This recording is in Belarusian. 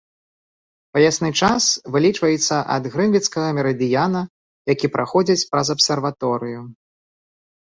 Паясны час вылічваецца ад грынвіцкага мерыдыяна, які праходзіць праз абсерваторыю.